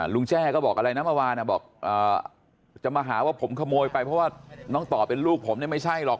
แจ้ก็บอกอะไรนะเมื่อวานบอกจะมาหาว่าผมขโมยไปเพราะว่าน้องต่อเป็นลูกผมเนี่ยไม่ใช่หรอก